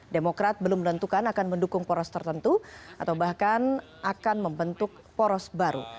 demokrat belum menentukan akan mendukung poros tertentu atau bahkan akan membentuk poros baru